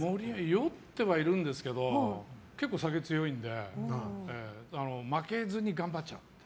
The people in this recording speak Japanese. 酔ってはいるんですけど結構、酒強いので負けずに頑張っちゃう。